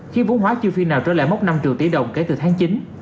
khi vốn hóa chưa phi nào trở lại mốc năm triệu tỷ đồng kể từ tháng chín